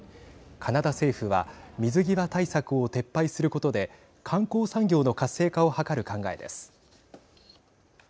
カナダ政府は水際対策を撤廃することで観光産業の活性化を図る考えです。